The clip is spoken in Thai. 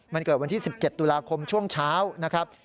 มันเกิดวันที่๑๗ตุลาคมช่วงเช้านะครับ